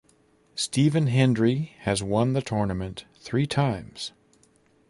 Stephen Hendry has won the tournament three times.